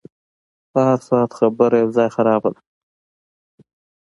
په هرصورت خبره یو ځای خرابه ده.